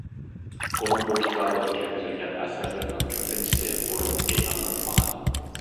ئۇنىڭ بۇ كىتابىغا كىرگۈزۈلگەن ئەسەرلىرىنىڭ كۆپىنچىسى بۇرۇن ئېلان قىلىنمىغان.